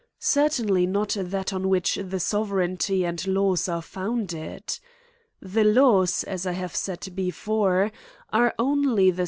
Certainly not that on which the sovereignty and laws are founded. The laws, as I have said before, are only the s.